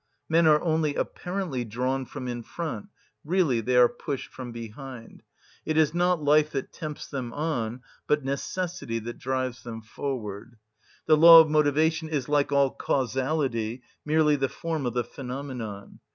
Men are only apparently drawn from in front; really they are pushed from behind; it is not life that tempts them on, but necessity that drives them forward. The law of motivation is, like all causality, merely the form of the phenomenon.